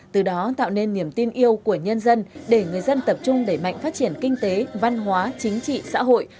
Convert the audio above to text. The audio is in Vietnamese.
từ đó tạo nên niềm tin yêu của nhân dân để người dân tập trung đẩy mạnh phát triển kinh tế văn hóa chính trị xã hội